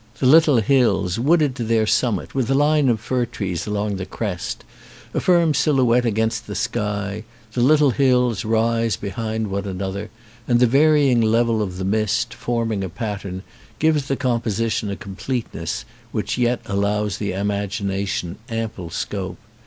The little hills, wooded to their summit, with a line of fir trees along the crest, a firm silhouette against the sky, the little hills rise behind one another, and the varying level of the mist, forming a pattern, gives the composition a completeness which yet allows the imagination ample scope.